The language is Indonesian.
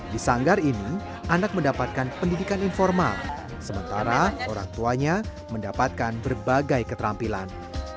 di sanggar ini anak mendapatkan pendidikan informal sementara orang tuanya mendapatkan berbagai keterampilan